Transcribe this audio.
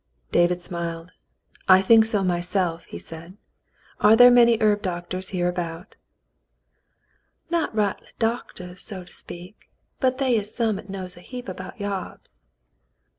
David smiled. "I think so myself," he said. "Are there many herb doctors here about ?" "Not rightly doctahs, so to speak, but they is some 'at knows a heap about yarbs."